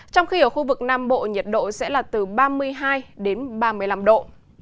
trong khi ở khu vực nam bộ nhiệt độ sẽ là từ ba mươi hai đến ba mươi năm độ